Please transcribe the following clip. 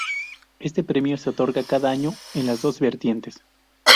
Este premio se otorga cada año en las dos vertientes.